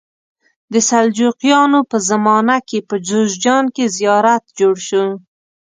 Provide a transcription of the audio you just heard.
د سلجوقیانو په زمانه کې په جوزجان کې زیارت جوړ شو.